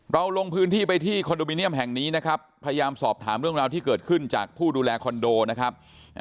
ลงพื้นที่ไปที่คอนโดมิเนียมแห่งนี้นะครับพยายามสอบถามเรื่องราวที่เกิดขึ้นจากผู้ดูแลคอนโดนะครับ